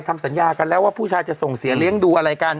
ทำสัญญากันแล้วว่าผู้ชายจะส่งเสียเลี้ยงดูอะไรกัน